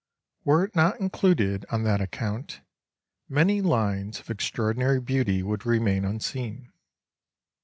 Were it not included on that account many lines of extraordinary beauty would remain unseen.